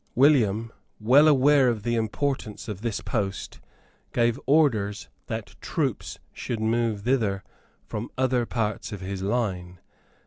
William, well aware of the importance of this post, gave orders that troops should move thither from other parts of his line.